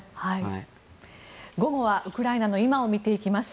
午後はウクライナの今を見ていきます。